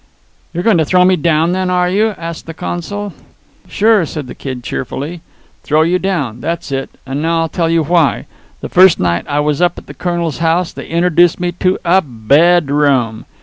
"You're going to throw me down, then, are you?" said the consul. "Sure," said the Kid cheerfully. "Throw you down. That's it. And now I'll tell you why. The first night I was up at the colonel's house they introduced me to a bedroom.